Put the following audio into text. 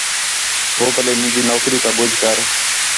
ہو پلّے مینجی نوکری تا ٻُجھ کر